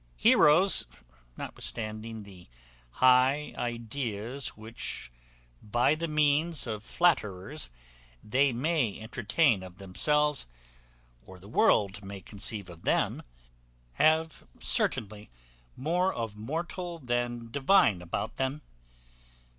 Heroes, notwithstanding the high ideas which, by the means of flatterers, they may entertain of themselves, or the world may conceive of them, have certainly more of mortal than divine about them.